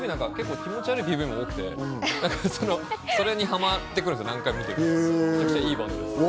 気持ち悪いＰＶも多くて、それにハマってくるんですよ、何回も見てると。